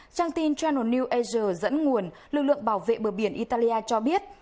trang tin channel new asia dẫn nguồn lực lượng bảo vệ bờ biển italia cho biết